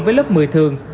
với lớp một mươi thường